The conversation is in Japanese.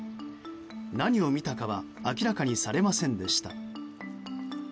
何を見たかは明らかにされませんでした。